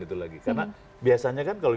itu lagi karena biasanya kan kalau